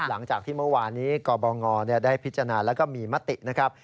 หลังจากที่เมื่อวานี้กบงได้พิจารณาแล้วก็มีมตินะครับ